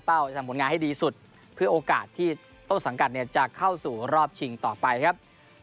เพื่อโอกาสที่โต๊ะสังกัดเนี่ยจะเข้าสู่รอบชิงต่อไปครับ